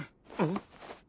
ん？